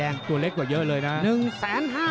ตัวเล็กกว่าเยอะเลยนะ